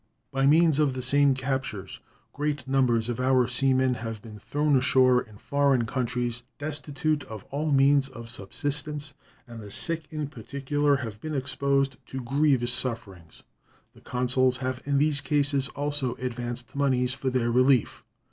By means of the same captures great numbers of our sea men have been thrown ashore in foreign countries, destitute of all means of subsistence, and the sick in particular have been exposed to grievous sufferings. The consuls have in these cases also advanced moneys for their relief.